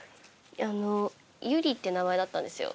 あの「ユリ」って名前だったんですよ